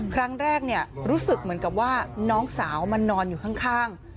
ครั้งแรกรู้สึกเหมือนกับว่าน้องสาวมันนอนอยู่ข้าง